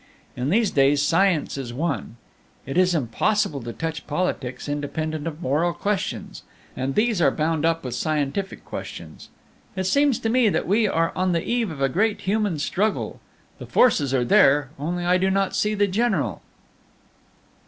In these days science is one; it is impossible to touch politics independent of moral questions, and these are bound up with scientific questions. It seems to me that we are on the eve of a great human struggle; the forces are there; only I do not see the General.